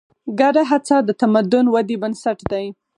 ګډه هڅه د تمدن ودې بنسټ دی.